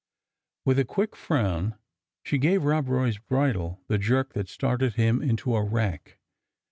With a quick frown she gave Rob Roy's bridle the jerk that started him into a rack.